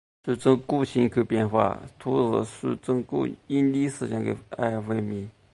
叙宗谷人口变化图示叙宗谷因历史上的而闻名。